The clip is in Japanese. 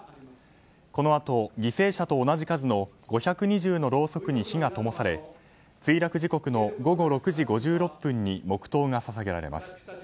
このあと、犠牲者と同じ数の５２０のろうそくに火がともされ墜落時刻の午後６時５６分に黙祷が捧げられます。